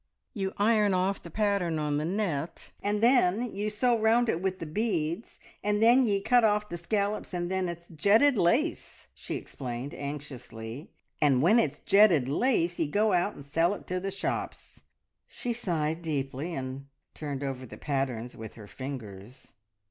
"You iron off the pattern on the net, and then you sew round it with the beads, and then ye cut off the scallops, and then it's jetted lace!" she explained anxiously. "And when it's jetted lace, ye go out and sell it to the shops." She sighed deeply, and turned over the patterns with her fingers.